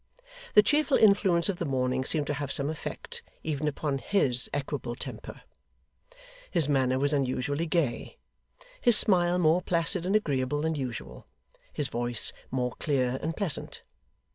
The cheerful influence of the morning seemed to have some effect, even upon his equable temper. His manner was unusually gay; his smile more placid and agreeable than usual; his voice more clear and pleasant.